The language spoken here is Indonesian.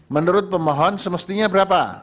menurut pemohon semestinya berapa